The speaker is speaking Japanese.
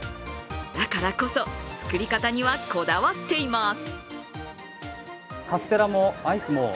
だからこそ、作り方にはこだわっています。